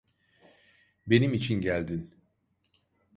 Benim için geldin.